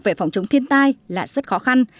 về phòng chống thiên tai là rất khó khăn